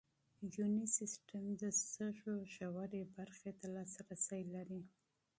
یوني سیسټم د سږو ژورې برخې ته لاسرسی لري.